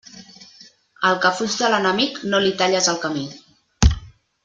Al que fuig de l'enemic no li talles el camí.